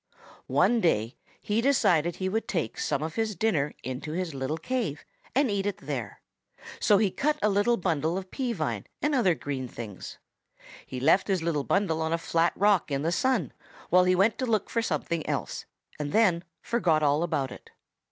One day he decided he would take some of his dinner into his little cave and eat it there. So he cut a little bundle of pea vine and other green things. He left his little bundle on a flat rock in the sun while he went to look for something else and then forgot all about it.